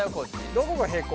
どこが平行？